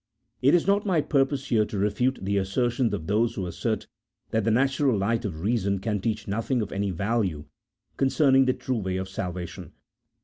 It is not my pur pose here to refute the assertions of those who assert that the natural light of reason can teach nothing of any value concerning the true way of salvation.